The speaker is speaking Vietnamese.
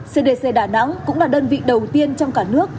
cdc đà nẵng cũng là đơn vị đầu tiên trong cả nước